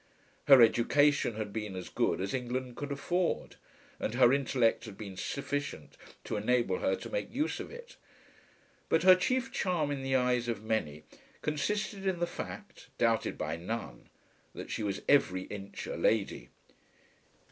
Her education had been as good as England could afford, and her intellect had been sufficient to enable her to make use of it. But her chief charm in the eyes of many consisted in the fact, doubted by none, that she was every inch a lady.